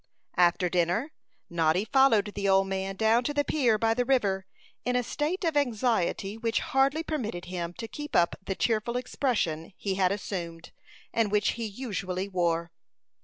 After dinner, Noddy followed the old man down to the pier by the river in a state of anxiety which hardly permitted him to keep up the cheerful expression he had assumed, and which he usually wore.